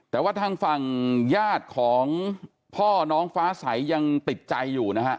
แต่ว่าทางฝั่งญาติของพ่อน้องฟ้าใสยังติดใจอยู่นะฮะ